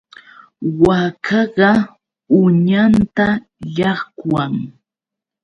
Waakaqa uñanta llaqwan.